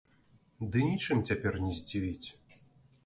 Ды нічым цяпер не здзівіць!